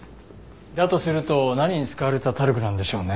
だとすると何に使われたタルクなんでしょうね。